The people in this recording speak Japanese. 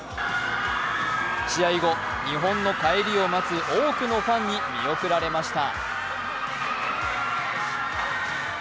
試合後、日本の帰りを待つ多くのファンに見送られました。